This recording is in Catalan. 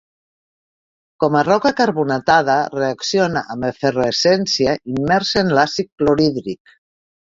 Com a roca carbonatada, reacciona amb efervescència immersa en l'àcid clorhídric.